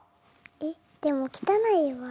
えっでも汚いわ。